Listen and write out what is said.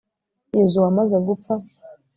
yozuwe amaze gupfa